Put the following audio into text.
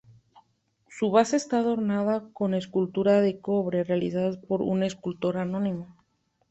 Su base está adornada con esculturas de cobre realizadas por un escultor anónimo.